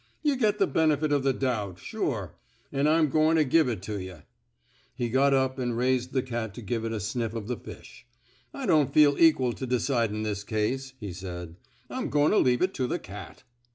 Yuh get the benefit of the doubt, sure. An' I'm goin' to give it to yuh." He got up and raised the cat to give it a sniff of the fish. I don't feel eq'al to decidin' this case," he said. I'm goin' to leave it to the cat."